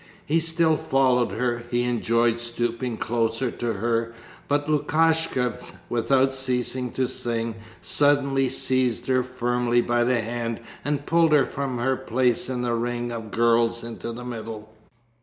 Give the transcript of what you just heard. He still followed her. He enjoyed stooping closer to her. But Lukashka, without ceasing to sing, suddenly seized her firmly by the hand and pulled her from her place in the ring of girls into the middle.